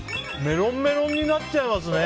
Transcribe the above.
メロンメロンになっちゃいますね。